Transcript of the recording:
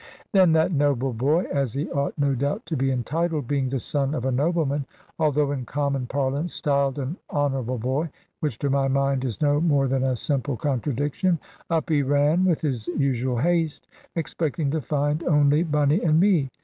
Then that noble boy as he ought no doubt to be entitled, being the son of a nobleman, although in common parlance styled an honourable boy, which to my mind is no more than a simple contradiction up he ran with his usual haste, expecting to find only Bunny and me.